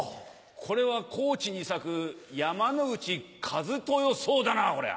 これは高知に咲く山内一豊草だなこりゃあ。